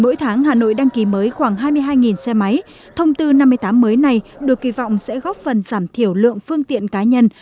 mỗi tháng hà nội đăng ký mới khoảng hai mươi hai xe máy thông tư năm mươi tám mới này được kỳ vọng sẽ góp phần giảm thiểu lượng phương tiện cá nhân